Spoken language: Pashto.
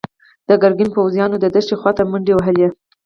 د ګرګين پوځيانو د دښتې خواته منډې وهلي.